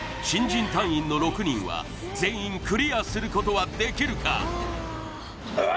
新人隊員の６人は全員クリアすることはできるか？